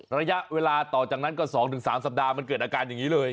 ระยะเวลาต่อจากนั้นก็๒๓สัปดาห์มันเกิดอาการอย่างนี้เลย